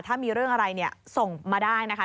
ถ้ามีเรื่องอะไรเนี่ยส่งมาได้นะคะ